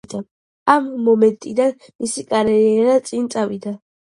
ამ მომენტიდან, მისი კარიერა წინ წავიდა.